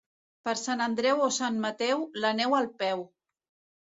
Per Sant Andreu o Sant Mateu, la neu al peu.